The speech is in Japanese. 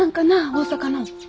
大阪の。